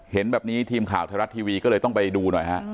เห็นแบบนี้ทีมข่าวไทยรัฐทีวีก็เลยต้องไปดูหน่อยฮะ